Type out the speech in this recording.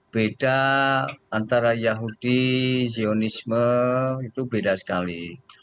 beda antara yahudi zionisme itu beda sekali